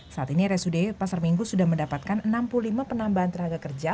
saat ini rsud pasar minggu sudah mendapatkan enam puluh lima penambahan tenaga kerja